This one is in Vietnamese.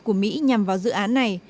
của mỹ nhằm vào dự án này